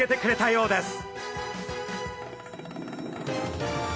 そうですね